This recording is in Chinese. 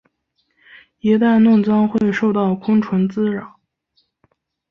一旦弄脏会受到昆虫滋扰。